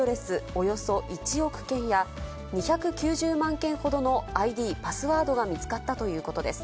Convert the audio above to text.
およそ１億件や、２９０万件ほどのＩＤ、パスワードが見つかったということです。